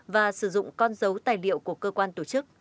và sử dụng con dấu tài liệu của cơ quan tổ chức